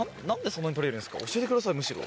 教えてくださいむしろ。